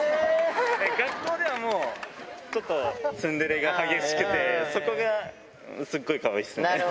学校ではもう、ちょっとツンデレが激しくて、そこがすっごいかわいいっすね。